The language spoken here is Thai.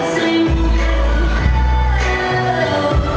สวัสดีครับ